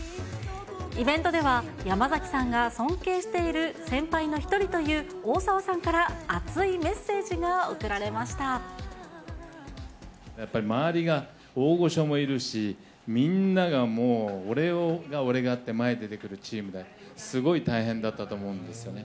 イベントでは、山崎さんが尊敬している先輩の一人という大沢さんから熱いメッセやっぱり周りが大御所もいるし、みんながもう、俺が俺がって、前出てくるチームで、すごい大変だったと思うんですよね。